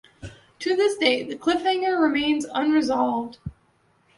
To this day, the cliffhanger remains unresolved.